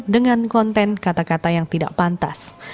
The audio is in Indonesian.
dengan konten kata kata yang tidak pantas